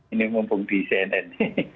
ini mumpung di cnn